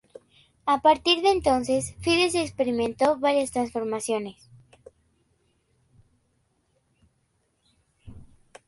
A partir de entonces, Fides experimentó varias transformaciones.